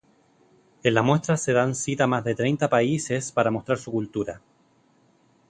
En la muestra se dan cita más de treinta países para mostrar su cultura.